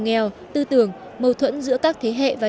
nghèo tư tưởng mâu thuẫn giữa các thế hệ và trường hợp